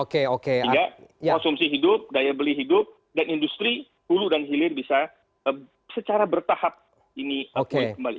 sehingga konsumsi hidup daya beli hidup dan industri hulu dan hilir bisa secara bertahap ini pulih kembali